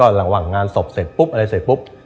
ระหว่างงานศพเสร็จปุ๊บอะไรเสร็จปุ๊บ